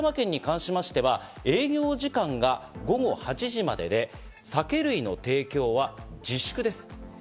埼玉県に関しましては営業時間が午後８時までで、酒類の提供は自粛です。